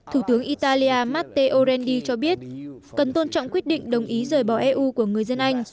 thủ tướng italia matte orendi cho biết cần tôn trọng quyết định đồng ý rời bỏ eu của người dân anh